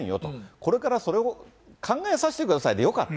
これからそれを考えさせてくださいで、よかった。